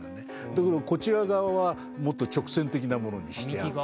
ところがこちら側はもっと直線的なものにしてあったり。